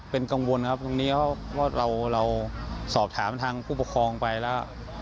เป็นกังวลครับตรงนี้เพราะว่าเราสอบถามทางผู้ปกครองไปแล้ว